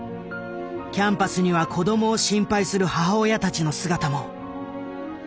キャンパスには子供を心配する母親たちの姿も。